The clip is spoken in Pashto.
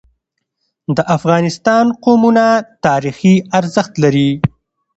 د افغانستان قومونه تاریخي ارزښت لري.